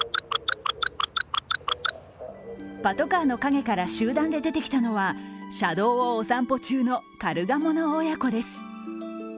パトカーの陰から集団で出てきたのは車道をお散歩中のカルガモの親子です。